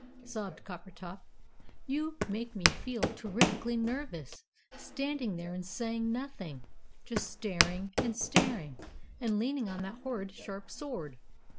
sobbed Coppertop. "You make me feel terrifikly nervous, standing there and saying nothing; just staring and staring, and leaning on that horrid, sharp sword!"